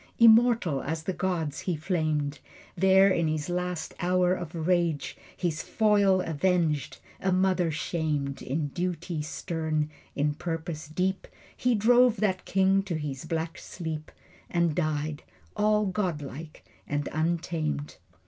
Immortal as the gods he flamed. There in his last great hour of rage His foil avenged a mother shamed. In duty stern, in purpose deep He drove that king to his black sleep And died, all godlike and untamed.